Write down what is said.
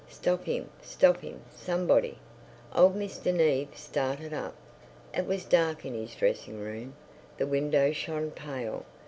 Stop him, stop him, somebody! Old Mr. Neave started up. It was dark in his dressing room; the window shone pale.